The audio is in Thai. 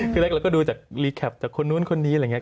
คือแรกเราก็ดูจากรีแคปจากคนนู้นคนนี้อะไรอย่างนี้